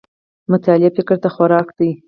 مطالعه فکر ته خوراک دی